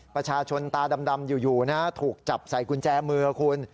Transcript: ประชาชนตาดำอยู่นะถูกจับใส่กุญแจมือคุณ